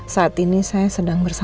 saat ini saya sedang bersama